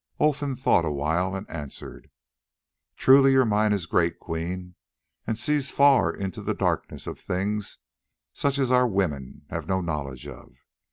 Olfan thought awhile and answered: "Truly your mind is great, Queen, and sees far into the darkness of things such as our women have no knowledge of.